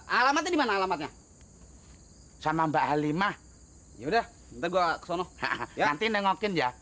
enggak alam tadi mana alamatnya hai sama mbak halimah yaudah ntar gua kesana nanti nengokin ya